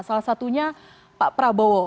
salah satunya pak prabowo